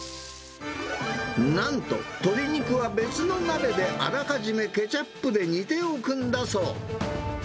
なんと、鶏肉は別の鍋であらかじめケチャップで煮ておくんだそう。